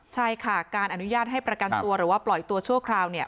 ใช่ค่ะการอนุญาตให้ประกันตัวหรือว่าปล่อยตัวชั่วคราว